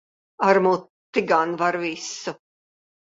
Ar muti gan var visu.